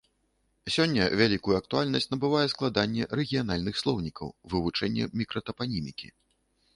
Сёння вялікую актуальнасць набывае складанне рэгіянальных слоўнікаў, вывучэнне мікратапанімікі.